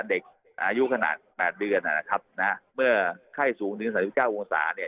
เด็กอายุขนาด๘เดือนนะครับนะเมื่อไข้สูงถึง๓๙องศาเนี่ย